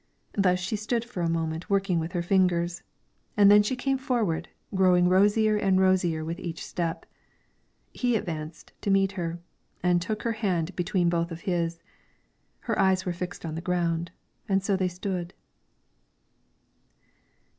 Thus she stood for a moment working with her fingers, and then she came forward, growing rosier and rosier with each step. He advanced to meet her, and took her hand between both of his. Her eyes were fixed on the ground, and so they stood.